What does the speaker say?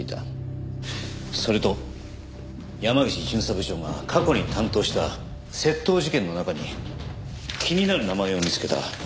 それと山岸巡査部長が過去に担当した窃盗事件の中に気になる名前を見つけた。